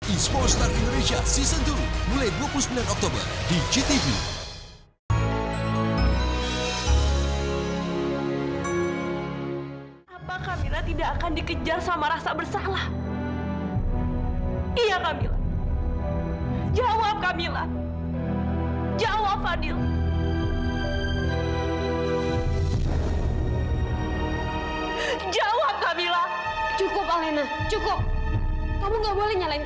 ismo star indonesia season dua mulai dua puluh sembilan oktober di gtv